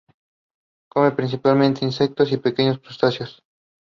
The bathing area of this beach is marked.